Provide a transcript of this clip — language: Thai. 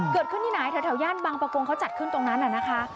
เกิดขึ้นที่ไหนแถวย่านบางประกงเขาจัดขึ้นตรงนั้นน่ะนะคะ